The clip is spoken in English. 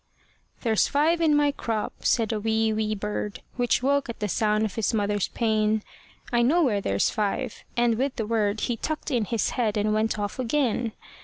"There's five in my crop," said a wee, wee bird, Which woke at the voice of his mother's pain; "I know where there's five." And with the word He tucked in his head, and went off again.